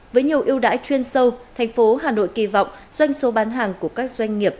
với nhiều ưu đãi chuyên sâu thành phố hà nội kỳ vọng doanh số bán hàng của các doanh nghiệp